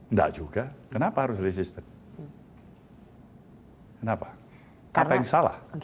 enggak juga kenapa harus resisten kenapa apa yang salah